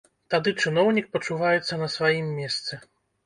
Тады чыноўнік пачуваецца на сваім месцы.